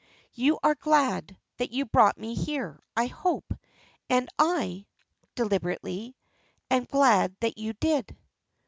You are glad, that you brought me here, I hope, and I" deliberately "am glad that you did."